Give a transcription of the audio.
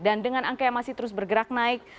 angka kematiannya masih terus bergerak naik